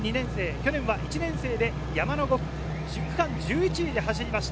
去年は１年生で山の５区、区間１１位で走りました。